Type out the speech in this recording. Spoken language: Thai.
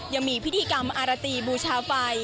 ยังมีพิธีกรรมอารตีบูชาไฟ